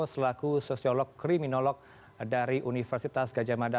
selaku sosiolog kriminolog dari universitas gajah mada